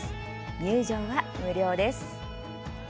入場は無料です。